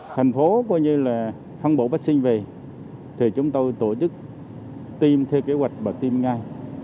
thành phố coi như là phân bổ vaccine về thì chúng tôi tổ chức tiêm theo kế hoạch và tiêm ngay